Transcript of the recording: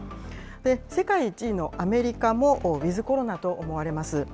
世界１位のアメリカも、ウィズコロナと思われます。